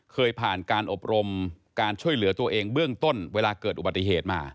เคยผ่านการอบรมการช่วยเหลือตัวเองเบื้องต้นเวลาเกิดอุบัติเหตุมา